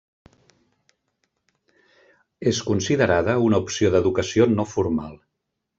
És considerada una opció d'educació no formal.